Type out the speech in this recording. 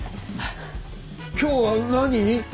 今日は何？